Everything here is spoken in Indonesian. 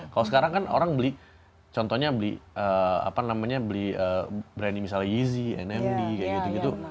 kalau sekarang kan orang beli contohnya beli apa namanya beli berani misalnya easy nmd kayak gitu gitu